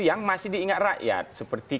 yang masih diingat rakyat seperti